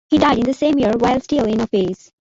He died in the same year while still in office.